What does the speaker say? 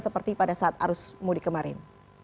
seperti pada saat arus mudik kemarin